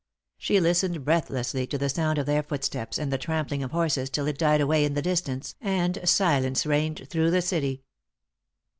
She listened breathlessly to the sound of their footsteps and the trampling of horses, till it died away in the distance, and silence reigned through the city.